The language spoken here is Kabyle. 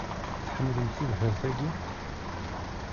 Tḥemlemt tibḥirt-ayi?